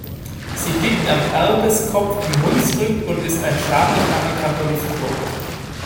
Sie liegt am Erbeskopf im Hunsrück und ist ein staatlich anerkannter Luftkurort.